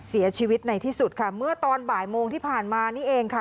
เสียชีวิตในที่สุดค่ะเมื่อตอนบ่ายโมงที่ผ่านมานี่เองค่ะ